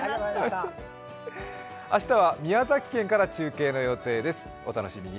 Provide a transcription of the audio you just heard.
明日は宮崎県から中継の予定です、お楽しみに。